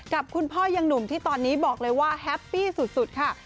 กับคุณพ่อยังหนุ่มที่ตอนนี้บอกเลยว่าแฮปปี้สุดค่ะ